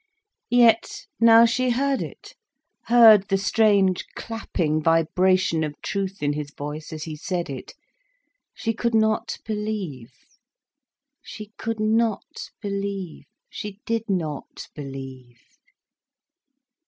Yet now she heard it, heard the strange clapping vibration of truth in his voice as he said it, she could not believe. She could not believe—she did not believe.